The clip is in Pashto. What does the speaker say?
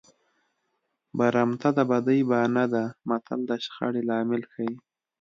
برمته د بدۍ بانه ده متل د شخړې لامل ښيي